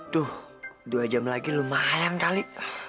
tuh dua jam lagi lumayan kali